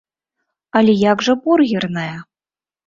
Але як жа бургерная?